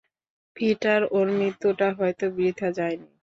Peter, ওর মৃত্যুটা হয়তো বৃথা যায়নি।